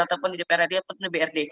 ataupun di dprd atau di brd